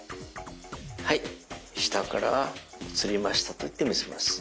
「はい下から移りました」と言って見せます。